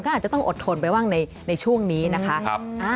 ก็อาจจะต้องอดทนไปบ้างในช่วงนี้นะคะ